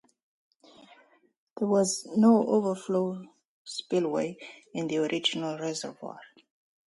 There was no overflow spillway in the original reservoir.